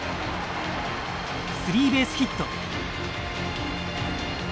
スリーベースヒット。